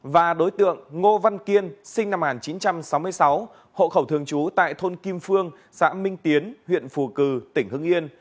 và đối tượng ngô văn kiên sinh năm một nghìn chín trăm sáu mươi sáu hộ khẩu thường trú tại thôn kim phương xã minh tiến huyện phù cử tỉnh hưng yên